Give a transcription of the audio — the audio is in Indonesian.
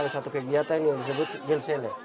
satu kegiatan yang disebut gelsele